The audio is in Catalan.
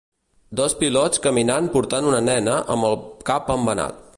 Dos pilots caminant portant una nena amb el cap embenat.